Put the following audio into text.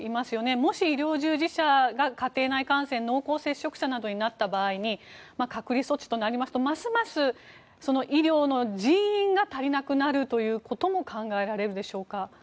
もし医療従事者が家庭内感染濃厚接触者などになった場合に隔離措置となりますとますます医療の人員が足りなくなるということも考えられるでしょうか。